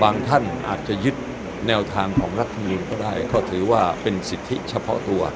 ท่านอาจจะยึดแนวทางของรัฐมนุนก็ได้ก็ถือว่าเป็นสิทธิเฉพาะตัว